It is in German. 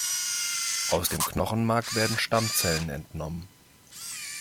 Aus dem Knochenmark werden Stammzellen entnommen.